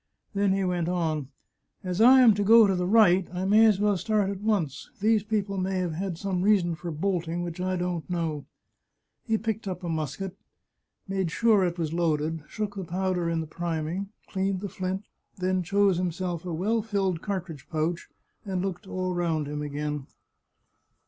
Then he went on: " As I am to go to the right, I may as well start at once. These people may have had some reason for bolting which I don't know." He picked up a musket, made sure it was loaded, shook the powder in the priming, cleaned the flint, then chose himself a well filled cartridge pouch and looked all round him again.